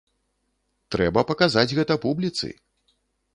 Трэба паказаць гэта публіцы!